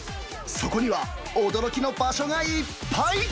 そこには、驚きの場所がいっぱい。